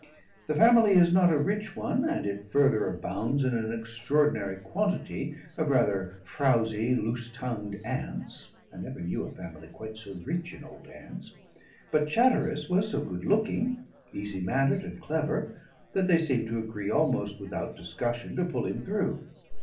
The family is not a rich one and it further abounds in an extraordinary quantity of rather frowsy, loose tongued aunts I never knew a family quite so rich in old aunts. But Chatteris was so good looking, easy mannered, and clever, that they seemed to agree almost without discussion to pull him through.